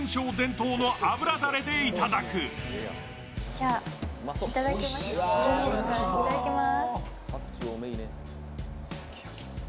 じゃあ、いただきます。